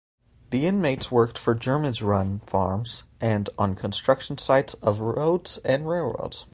The inmates worked for Germans-run farms, and on construction sites of roads and railroads.